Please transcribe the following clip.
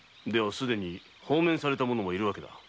すでに放免された者もいるわけだな。